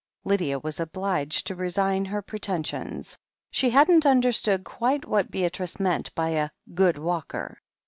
Lydia was obliged to resign her pretensions. She hadn't understood quite what Beatrice meant by a "good walker."